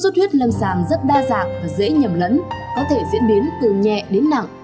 thời gian rất đa dạng và dễ nhầm lẫn có thể diễn biến từ nhẹ đến nặng